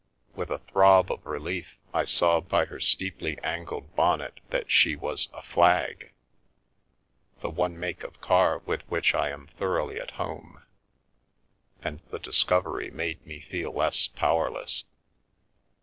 With a throb of relief I saw by her steeply angled bonnet that she was a " Flag/' the one make of car with which I am thor oughly at home, and the discovery made me feel less powerless.